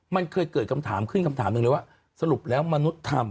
มันเคยเกิดคำถามขึ้นคำถามหนึ่งเลยว่าสรุปแล้วมนุษย์ทำ